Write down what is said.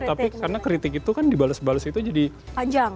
tapi karena kritik itu kan dibales bales itu jadi panjang